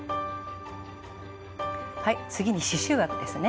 次に刺しゅう枠ですね。